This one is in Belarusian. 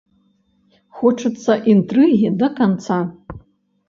Хочацца інтрыгі да канца.